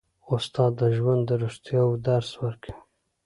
استاد د ژوند د رښتیاوو درس ورکوي.